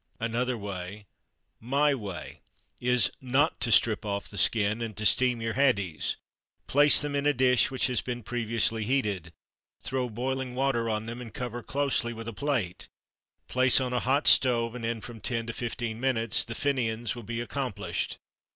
Another way my way is not to strip off the skin and to steam your haddies. Place them in a dish which has been previously heated. Throw boiling water on them, and cover closely with a plate; place on a hot stove, and in from 10 to 15 minutes the Fin'ans will be accomplished.